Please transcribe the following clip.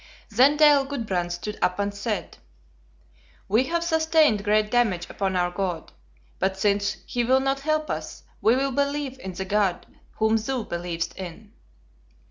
"Then Dale Gudbrand stood up and said, 'We have sustained great damage upon our God; but since he will not help us, we will believe in the God whom thou believest in.'